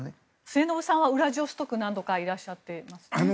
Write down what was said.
末延さんはウラジオストクに何度かいらっしゃっていますね。